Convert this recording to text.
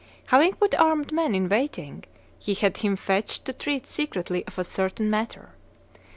Having put armed men in waiting, he had him fetched to treat secretly of a certain matter.